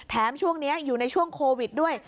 ช่วงนี้อยู่ในช่วงโควิดด้วย